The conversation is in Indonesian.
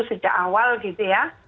sejak awal gitu ya